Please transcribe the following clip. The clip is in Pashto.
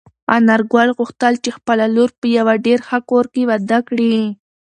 انارګل غوښتل چې خپله لور په یوه ډېر ښه کور کې واده کړي.